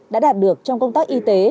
đã đạt được trong công tác y tế